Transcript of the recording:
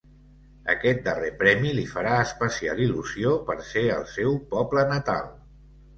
Aquest darrer premi li farà especial il·lusió per ser el seu poble natal.